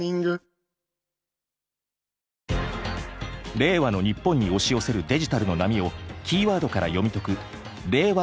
令和の日本に押し寄せるデジタルの波をキーワードから読み解く